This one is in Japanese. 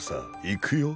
いくよ。